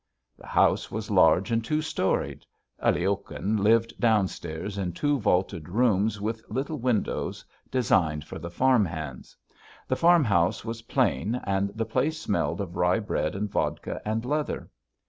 The house was large and two storied. Aliokhin lived down stairs in two vaulted rooms with little windows designed for the farm hands; the farmhouse was plain, and the place smelled of rye bread and vodka, and leather.